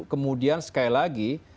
kemudian sekali lagi